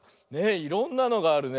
いろんなのがあるね。